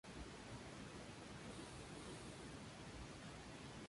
Pasa cerca el río Bárcena.